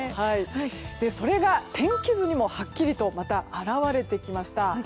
それが天気図にもはっきりと表れていました。